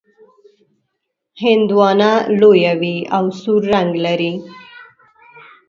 هندواڼه لویه وي او سور رنګ لري.